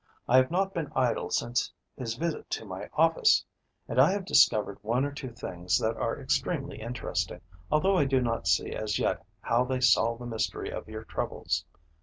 I have not been idle since his visit to my office, and I have discovered one or two things that are extremely interesting, although I do not see as yet how they solve the mystery of your troubles.